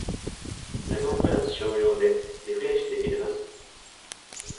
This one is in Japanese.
レモングラス少量でリフレッシュできるはず。